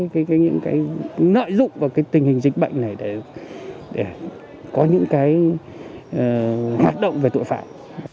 để có những nội dụng vào tình hình dịch bệnh này để có những hoạt động về tội phạm